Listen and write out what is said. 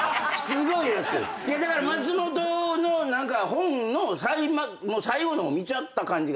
だから『松本』の本の最後の方見ちゃった感じがあったんで。